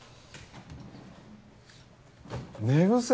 寝癖！